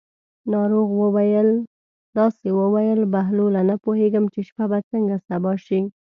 ناروغ داسې وویل: بهلوله نه پوهېږم چې شپه به څنګه سبا شي.